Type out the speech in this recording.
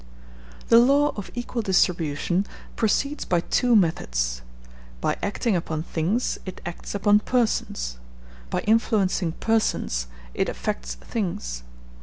The law of equal distribution proceeds by two methods: by acting upon things, it acts upon persons; by influencing persons, it affects things.